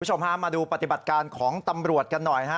คุณผู้ชมฮะมาดูปฏิบัติการของตำรวจกันหน่อยฮะ